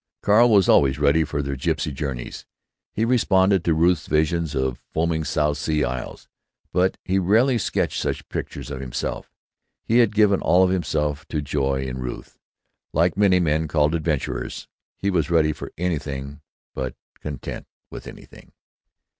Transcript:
Carl was always ready for their gipsy journeys; he responded to Ruth's visions of foaming South Sea isles; but he rarely sketched such pictures himself. He had given all of himself to joy in Ruth. Like many men called "adventurers," he was ready for anything but content with anything.